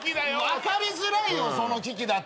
分かりづらいよその危機だったら。